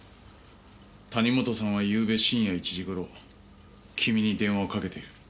谷本さんはゆうべ深夜１時頃君に電話をかけている。